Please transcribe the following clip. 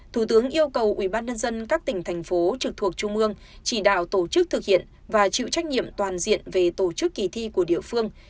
thủ tướng yêu cầu ubnd các tỉnh thành phố trực thuộc trung mương chỉ đạo tổ chức thực hiện và chịu trách nhiệm toàn diện về tổ chức kỳ thi của địa phương